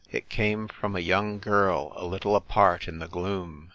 It came from a young girl a little apart in the gloom.